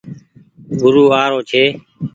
گورو آ رو ڇي۔